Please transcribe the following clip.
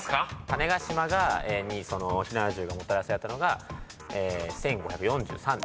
種子島に火縄銃がもたらされたのが１５４３年ですね。